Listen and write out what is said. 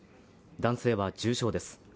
男性は重傷です。